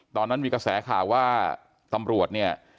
ตอนนั้นมีกระแสข่าวว่าตำรวจเนี่ย